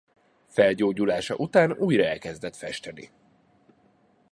Felgyógyulása után újra elkezdett festeni.